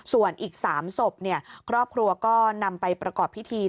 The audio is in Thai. ส่วนอีก๓ศพครอบครัวก็นำไปประกอบพิธี